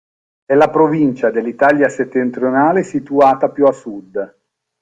È la provincia dell'Italia settentrionale situata più a sud.